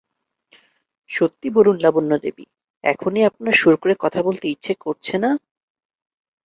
সত্যি বলুন লাবণ্যদেবী, এখনই আপনার সুর করে কথা বলতে ইচ্ছে করছে না?